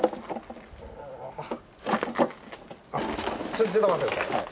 ちょちょっと待って下さい。